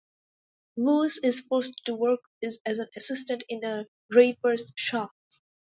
Louis is forced to work as an assistant in a draper's shop.